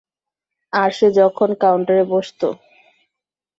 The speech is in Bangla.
আর সে যখন কাউন্টারে বসতো।